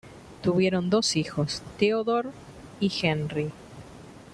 Tuvieron dos hijos, Theodore y Henry.